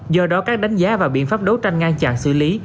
do đó các đánh giá và biện pháp đấu tranh ngang chạm xử lý